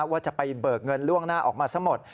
ว่าจะไปเบิกเงินล่วงหน้าออกมาซะหมด